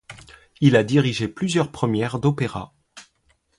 Il a dirigé plusieurs premières d'opéras.